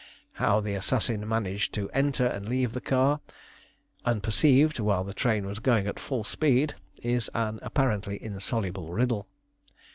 How the assassin managed to enter and leave the car unperceived while the train was going at full speed is an apparently insoluble riddle.